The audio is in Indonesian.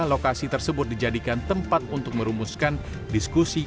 lokasi tersebut dijadikan tempat untuk merumuskan diskusi